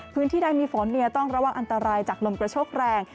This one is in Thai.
พื้นที่ใดมีฝนต้องระวังอันตรายจากลมกระโชคแรง